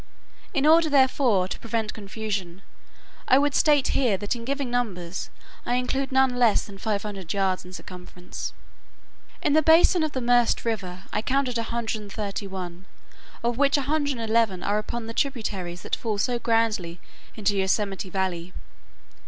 In order, therefore, to prevent confusion, I would state here that in giving numbers, I include none less than 500 yards in circumference. In the basin of the Merced River, I counted 131, of which 111 are upon the tributaries that fall so grandly into Yosemite Valley.